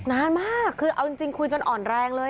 นานมากคือเอาจริงคุยจนอ่อนแรงเลย